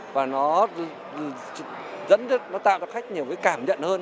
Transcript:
và nó tạo ra khách nhiều cái cảm nhận hơn